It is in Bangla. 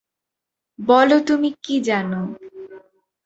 বলো তুমি কী জানো।